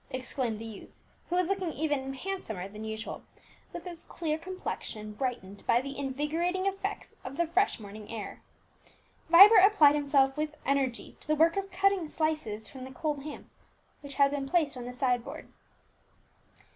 exclaimed the youth, who was looking even handsomer than usual, with his clear complexion brightened by the invigorating effects of the fresh morning air. Vibert applied himself with energy to the work of cutting slices from the cold ham which had been placed on the side board.